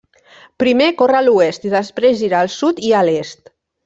Primer corre a l'oest i després gira al sud i a l'est.